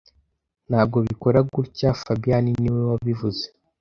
Ntabwo bikora gutya fabien niwe wabivuze